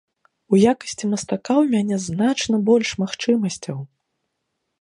У якасці мастака ў мяне значна больш магчымасцяў.